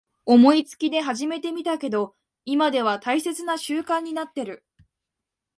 思いつきで始めてみたけど今では大切な習慣になってる